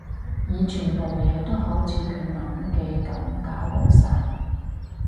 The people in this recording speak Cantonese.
而全部嘢都好似佢諗嘅噉搞禍晒